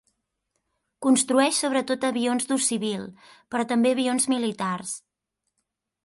Construeix sobretot avions d'ús civil però també avions militars.